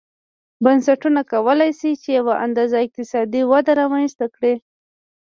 بنسټونه کولای شي چې یوه اندازه اقتصادي وده رامنځته کړي.